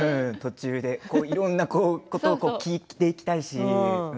いろんなことを聞いていきたいし。